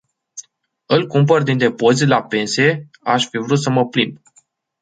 Îl cumpăr din depozit la pensie aș fi vrut să mă plimb.